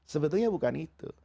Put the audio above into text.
sebetulnya bukan itu